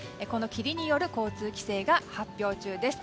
霧による交通規制が発表中です。